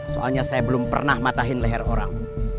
soalnya saya belum pernah matahin leher orang